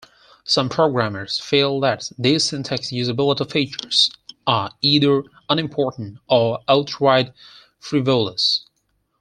Some programmers feel that these syntax usability features are either unimportant or outright frivolous.